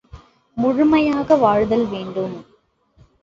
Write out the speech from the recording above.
முழுமையாக வாழ்தல் வேண்டும்.